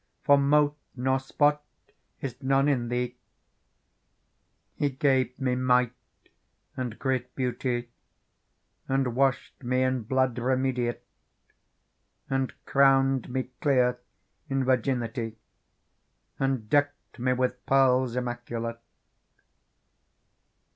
For mote nor spot is none in thee !' He gave me might and great beauty. And washed me in blood remediate. And crowned me clean in virgint6. And decked me with pearls immaculate."